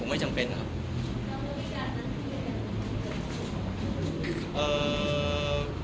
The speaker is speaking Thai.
คงไม่จำเป็นครับคงไม่จำเป็นครับ